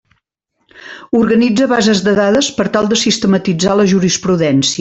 Organitza bases de dades per tal de sistematitzar la jurisprudència.